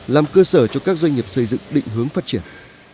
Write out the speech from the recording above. làm cơ sở cho các doanh nghiệp xây dựng định hướng phát triển